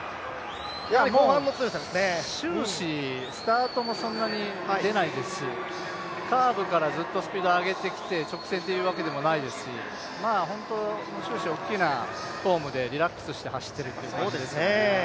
終始、スタートもそんなに出ないですしカーブからずっとスピードを上げてきて直線というわけでもないですし本当、終始大きなフォームでリラックスして走っているっていう感じですかね。